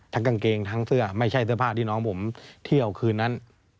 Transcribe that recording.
กางเกงทั้งเสื้อไม่ใช่เสื้อผ้าที่น้องผมเที่ยวคืนนั้น